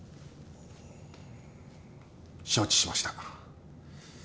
承知しました。